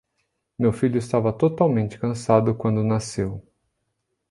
Meu filho estava totalmente cansado quando nasceu.